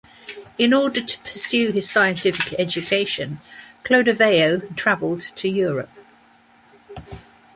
In order to pursue his scientific education, Clodoveo traveled to Europe.